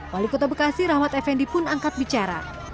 wali kota bekasi rahmat effendi pun angkat bicara